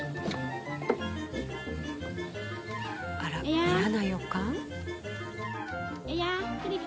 あら嫌な予感？